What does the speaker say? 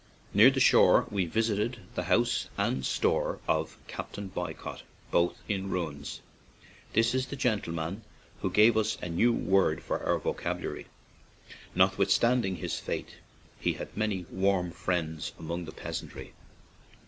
Near the shore we visited the house and store of Captain Boycott, both in ruins. This is the gentleman who gave us a new word for our vocabulary. Notwithstanding his fate, he had many warm friends among the peasantry.